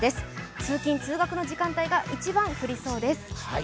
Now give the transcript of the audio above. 通勤・通学の時間帯が一番、降りそうです。